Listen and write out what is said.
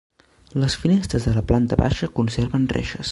Les finestres de la planta baixa conserven reixes.